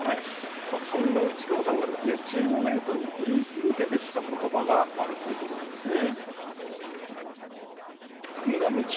そんな内川さんが、チームメートに言い続けてきたことばがあるということなんですね。